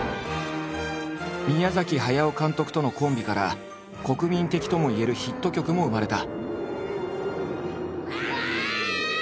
宮駿監督とのコンビから国民的ともいえるヒット曲も生まれた。